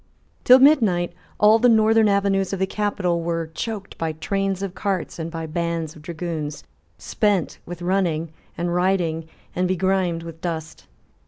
Till midnight all the northern avenues of the capital were choked by trains of cars and by bands of dragoons, spent with running and riding, and begrimed with dust.